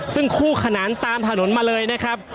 ซึ่งคู่ขนานตามถนนมาเลยนะครับ